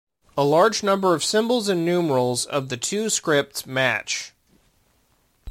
A large number of symbols and numerals of the two scripts match.